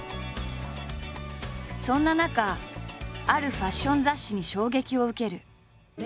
そんな中あるファッション雑誌に衝撃を受ける。